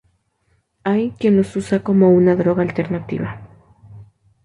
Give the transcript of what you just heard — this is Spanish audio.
Hay quien los usa como una droga alternativa.